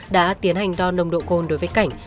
đã tiến hành đo nồng độ côn đối với cảnh